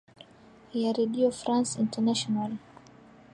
ya redio france international